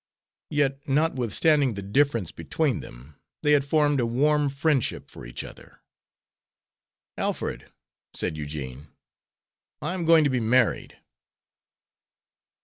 Yet, notwithstanding the difference between them, they had formed a warm friendship for each other. "Alfred," said Eugene, "I am going to be married."